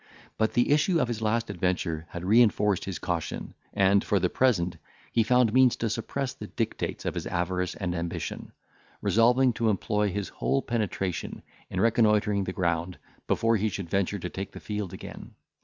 But the issue of his last adventure had reinforced his caution; and, for the present, he found means to suppress the dictates of his avarice and ambition; resolving to employ his whole penetration in reconnoitring the ground, before he should venture to take the field again.